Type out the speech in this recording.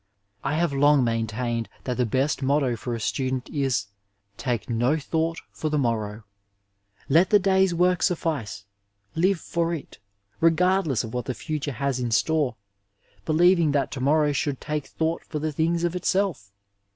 I have long maintained that the best motto for a student is, '^ Take no thought for the morrow." L^t the day's work suffice ; live for it, regardless of what the future has in store, believing that to morrow should take thought for the things of itself.